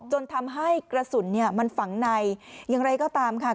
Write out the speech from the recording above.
จนทำให้กระสุนเนี่ยมันฝังในอย่างไรก็ตามค่ะ